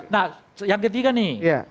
nah yang ketiga nih